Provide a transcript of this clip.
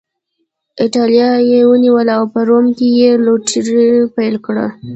اېټالیا یې ونیوله او په روم کې یې لوټري پیل کړه.